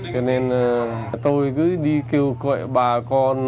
cho nên tôi cứ đi kêu gọi bà con